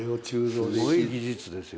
すごい技術ですよ。